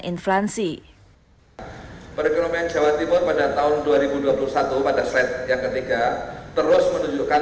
inflasi perekonomian jawa timur pada tahun dua ribu dua puluh satu pada slide yang ketiga terus menunjukkan